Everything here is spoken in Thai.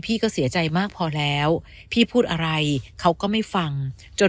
ก็เสียใจมากพอแล้วพี่พูดอะไรเขาก็ไม่ฟังจน